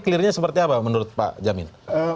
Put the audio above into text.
clearnya seperti apa menurut pak jamin